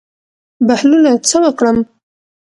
بهلوله څه وکړم.